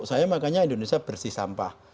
saya makanya indonesia bersih sampah